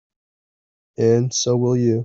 And so will you.